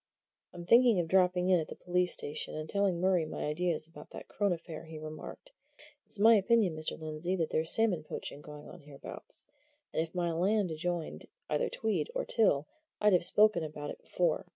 "I'm thinking of dropping in at the police station and telling Murray my ideas about that Crone affair," he remarked. "It's my opinion, Mr. Lindsey, that there's salmon poaching going on hereabouts, and if my land adjoined either Tweed or Till I'd have spoken about it before.